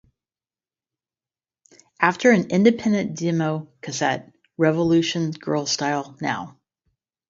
After an independent demo cassette, Revolution Girl Style Now!